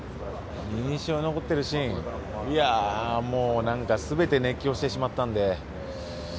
印象に残ってるシーンなんかもう、全て熱狂してしまったんで。